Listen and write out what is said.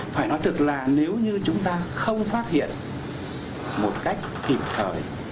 phải nói thực là nếu như chúng ta không phát hiện một cách kịp thời